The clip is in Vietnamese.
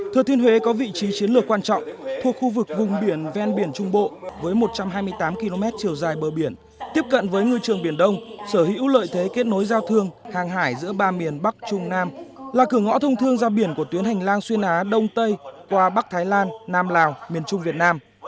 thừa thiên huế có vị trí chiến lược quan trọng thuộc khu vực vùng biển ven biển trung bộ với một trăm hai mươi tám km chiều dài bờ biển tiếp cận với ngư trường biển đông sở hữu lợi thế kết nối giao thương hàng hải giữa ba miền bắc trung nam là cửa ngõ thông thương giao biển của tuyến hành lang xuyên á đông tây qua bắc thái lan nam lào miền trung việt nam